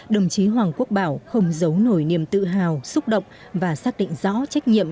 đồng chí hoàng quốc bảo không giấu nổi niềm tự hào xúc động và xác định rõ trách nhiệm